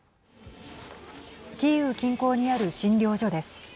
キーウ近郊にある診療所です。